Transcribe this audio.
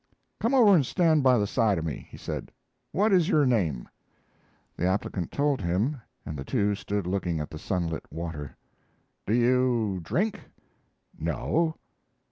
"Come over and stand by the side of me," he said. "What is your name?" The applicant told him, and the two stood looking at the sunlit water. "Do you drink?" "No."